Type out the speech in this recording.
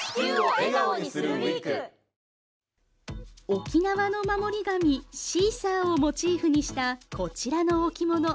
沖縄の守り神シーサーをモチーフにしたこちらの置物